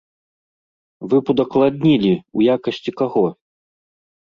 Вы б удакладнілі, у якасці каго?